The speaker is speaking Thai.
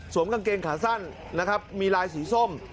กางเกงขาสั้นนะครับมีลายสีส้ม